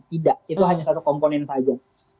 tidak itu hanya satu komponen saja